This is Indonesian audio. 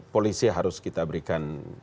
polisi harus kita berikan